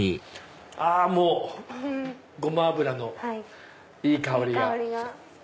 あもうごま油のいい香りが。